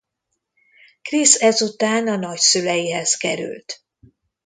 Chris ezután a nagyszüleihez került.